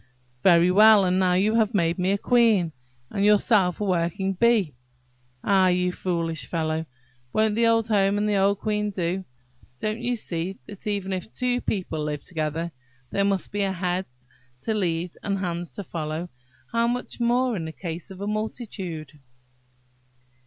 "Very well; and now you have made me a queen, and yourself a working bee! Ah! you foolish fellow, won't the old home and the old queen do? Don't you see that if even two people live together, there must be a head to lead and hands to follow? How much more in the case of a multitude!"